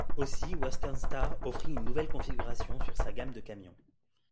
Aussi Western Star offrit une nouvelle configuration sur sa gamme de camions.